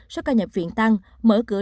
sơ ca nhập viện tăng mở cửa